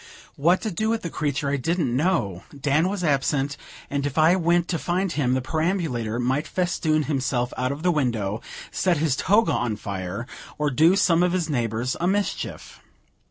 What to do with the creature I didn't know; Dan was absent, and if I went to find him, the perambulator might festoon himself out of the window, set his toga on fire, or do some of his neighbors a mischief.